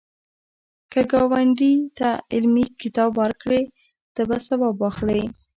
که ګاونډي ته علمي کتاب ورکړې، ته به ثواب واخلی